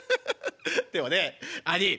でもね兄ぃ